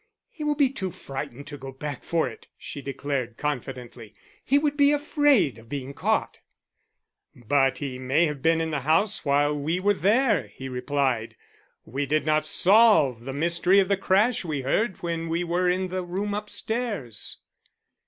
"He will be too frightened to go back for it," she declared confidently. "He would be afraid of being caught." "But he may have been in the house while we were there," he replied. "We did not solve the mystery of the crash we heard when we were in the room upstairs."